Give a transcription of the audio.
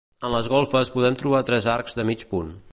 En les golfes podem trobar tres arcs de mig punt.